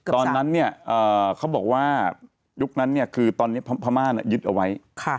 ตอนนั้นเขาบอกว่ายุคนั้นคือตอนนี้พม่ายึดเอาไว้